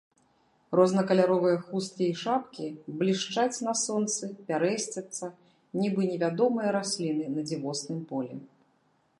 Рознакаляровыя хусткі і шапкі блішчаць на сонцы, пярэсцяцца, нібы невядомыя расліны на дзівосным полі.